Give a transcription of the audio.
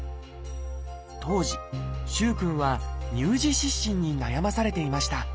当時萩くんは「乳児湿疹」に悩まされていました。